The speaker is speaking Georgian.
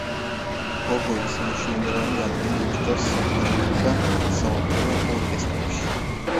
ჰობოის მნიშვნელოვანი ადგილი უჭირავს სიმფონიურ და საოპერო ორკესტრებში.